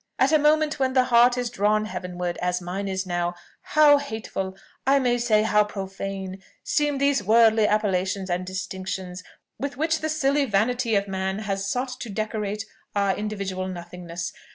"At a moment when the heart is drawn heavenward, as mine is now, how hateful I may say, how profane, seem those worldly appellations and distinctions with which the silly vanity of man has sought to decorate our individual nothingness!